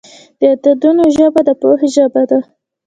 د عددونو ژبه د پوهې ژبه ده.